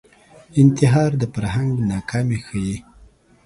انتحار د فرهنګ ناکامي ښيي